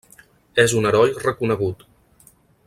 És un heroi reconegut.